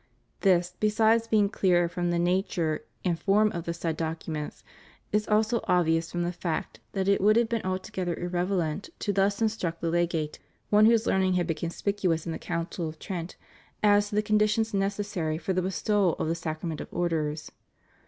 This, besides being clear from the nature and form of the said documents, is also obvious from the fact that it would have been altogether irrelevant to thus instruct the Legate — one whose learning had been conspicuous in the Council of Trent — as to the conditions necessary for the bestowal of the Sacrament of Orders.